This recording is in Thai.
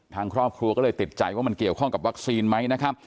ทางครอบครัวก็เลยติดใจว่ามันเกี่ยวข้องกับวัคซีนไหมนะครับ